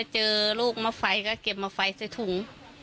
เจอลูกมะไฟก็เก็บมาไฟใส่ถุง